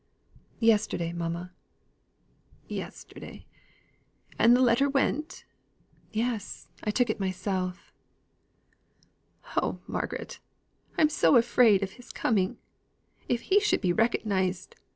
"Yesterday, mamma." "Yesterday, and the letter went?" "Yes. I took it myself." "Oh, Margaret, I'm so afraid of his coming! If he should be recognized!